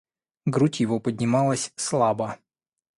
Грудь его поднималась слабо.